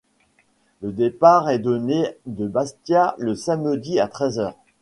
Le départ est donné de Bastia le samedi à treize heures.